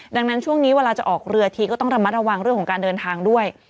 ดังนั้นช่วงนี้เวลาจะออกเรือทีก็ต้องระมัดระวังเรื่องของการเดินทางด้วย